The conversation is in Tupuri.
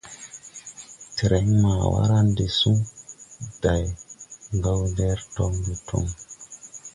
Tren ma wara de suŋ day Gawndere tɔŋ de toŋ.